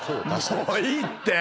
もういいって！